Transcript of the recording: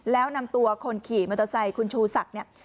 แล้วนำตัวคนขี่มอเตอร์ไซค์คุณชูศักดิ์เนี่ย